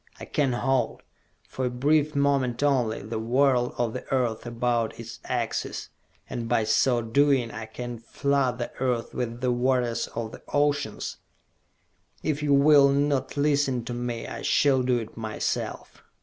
I can halt, for a brief moment only, the whirl of the earth about its axis. And by so doing I can flood the earth with the waters of the oceans! If you will not listen to me, I shall do it myself!